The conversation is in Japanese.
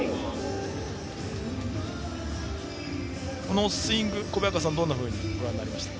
このスイング、小早川さんはどんなふうにご覧になりましたか。